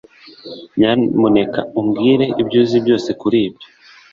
Nyamuneka umbwire ibyo uzi byose kuri ibyo